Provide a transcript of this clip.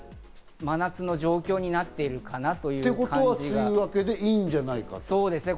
真夏の状況になっているかな。ということは梅雨明けでいいそうですね。